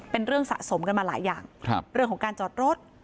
เป็นเรื่องสะสมกันมาหลายอย่างเรื่องของการจอดรถ